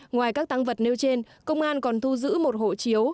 ngoài các tăng vật nêu trên công an còn thu giữ một hộ chiếu